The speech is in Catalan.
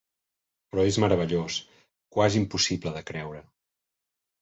Però és meravellós, quasi impossible de creure.